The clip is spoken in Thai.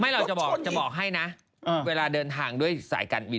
มึงจะหยุดมั้ยวะ